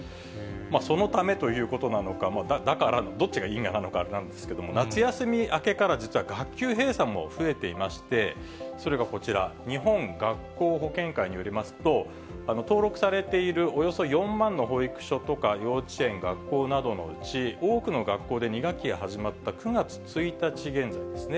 そのためということなのか、だから、どっちがいいのかあれなんですけど、夏休み明けから実は学級閉鎖も増えていまして、それがこちら、日本学校保健会によりますと、登録されているおよそ４万の保育所とか、幼稚園、学校などのうち、多くの学校で２学期が始まった９月１日現在ですね。